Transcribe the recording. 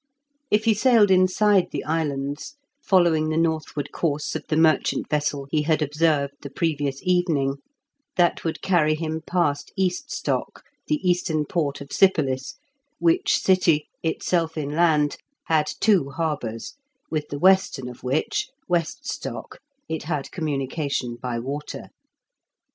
If he sailed inside the islands, following the northward course of the merchant vessel he had observed the previous evening, that would carry him past Eaststock, the eastern port of Sypolis, which city, itself inland, had two harbours, with the western of which (Weststock) it had communication by water.